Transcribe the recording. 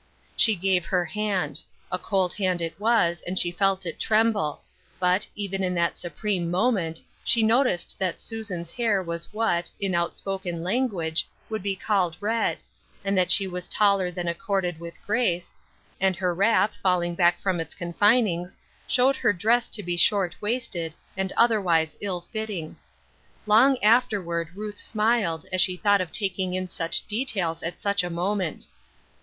'* She gave her hand. A cold hand it was, and she felt it tremble ; but, even in that supreme mo ment, she noticed that Susan's hair was what, in outspoken language, would be called red ; and that she was taller than accorded with grace, and her wrap, falling back from its confinings, showed her dress to be short waisted, and otherwise ill fitting. Long afterward Ruth smiled, as she thought of taking in such details at such a moment.